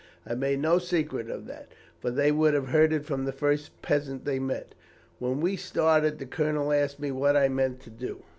I made no secret of that, for they would have heard it from the first peasant they met. When we started, the colonel asked me what I meant to do.